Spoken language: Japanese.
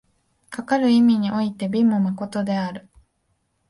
かかる意味において美も真である。